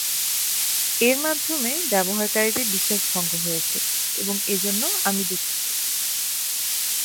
এর মাধ্যমে ব্যবহারকারীদের বিশ্বাস ভঙ্গ হয়েছে এবং এ জন্য আমি দুঃখিত।